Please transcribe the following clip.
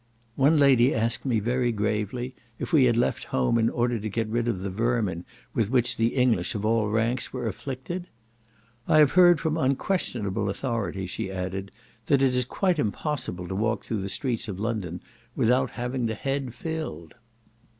One lady asked me very gravely, if we had left home in order to get rid of the vermin with which the English of all ranks were afflicted? "I have heard from unquestionable authority," she added, "that it is quite impossible to walk through the streets of London without having the head filled."